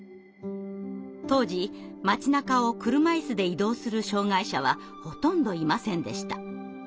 当時街なかを車いすで移動する障害者はほとんどいませんでした。